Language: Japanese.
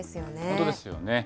本当ですよね。